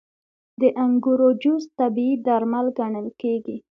• د انګورو جوس طبیعي درمل ګڼل کېږي.